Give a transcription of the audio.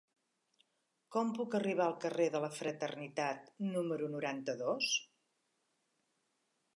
Com puc arribar al carrer de la Fraternitat número noranta-dos?